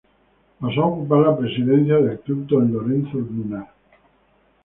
Pasó a ocupar la presidencia del Club don Lorenzo Munar.